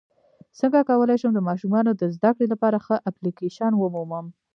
څنګه کولی شم د ماشومانو د زدکړې لپاره ښه اپلیکیشن ومومم